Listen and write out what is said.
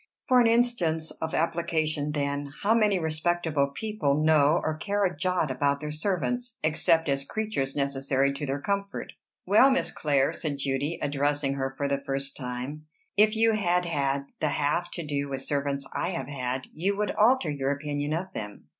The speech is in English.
"For an instance of application, then: How many respectable people know or care a jot about their servants, except as creatures necessary to their comfort?" "Well, Miss Clare," said Judy, addressing her for the first time, "if you had had the half to do with servants I have had, you would alter your opinion of them."